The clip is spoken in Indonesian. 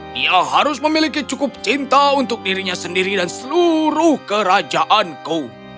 dia harus memiliki cukup cinta untuk dirinya sendiri dan seluruh kerajaanku